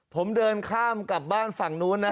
ผมเดินข้ามกลับบ้านฝั่งนู้นนะ